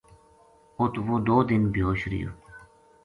اُت وہ دو دن بے ہوش رہیو